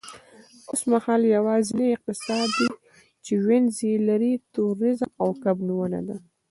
اوسمهال یوازینی اقتصاد چې وینز یې لري، تورېزم او کب نیونه ده